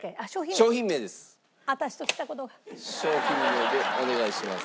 商品名でお願いします。